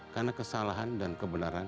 karena kesalahan dan kebenaran